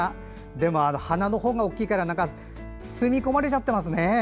でも、花のほうが大きいから包み込まれちゃってますね。